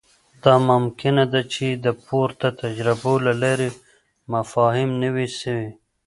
دا ممکنه ده چې د پورته تجربو له لارې مفاهیم نوي سي.